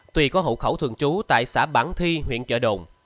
tuy có hộ khẩu thường trú tại xã bản thi huyện chợ đồn